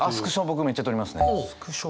僕めっちゃ撮りますね。